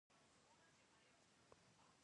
آیا د تراويح لمونځ په جومات کې نه کیږي؟